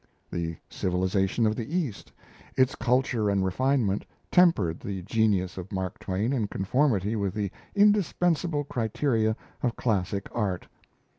The civilization of the East, its culture and refinement, tempered the genius of Mark Twain in conformity with the indispensable criteria of classic art.